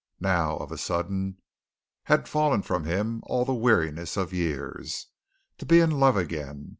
Now, of a sudden, had fallen from him all the weariness of years. To be in love again.